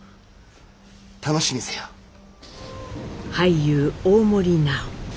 俳優大森南朋。